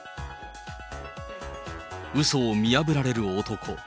うそを見破られる男。